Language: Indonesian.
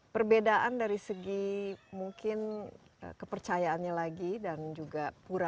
perbedaan dari segi mungkin kepercayaannya lagi dan juga pura